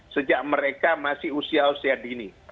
sejak mereka masih usia usia dini